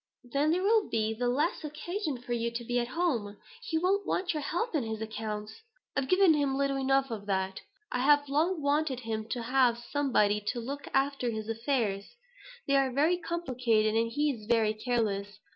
"Then there will be the less occasion for you to be at home. He won't want your help in his accounts." "I've given him little enough of that. I have long wanted him to have somebody to look after his affairs. They are very complicated and he is very careless.